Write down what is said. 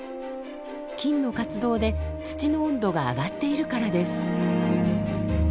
菌の活動で土の温度が上がっているからです。